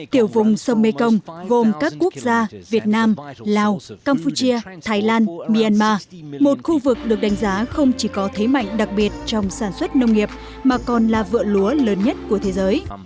tiểu vùng sông mekong gồm các quốc gia việt nam lào campuchia thái lan myanmar một khu vực được đánh giá không chỉ có thế mạnh đặc biệt trong sản xuất nông nghiệp mà còn là vựa lúa lớn nhất của thế giới